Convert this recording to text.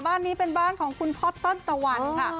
บ้านนี้เป็นบ้านของคุณพ่อต้นตะวันค่ะ